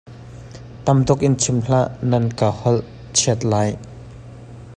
Tamtuk in chim hlah, nan ka holh chiat lai.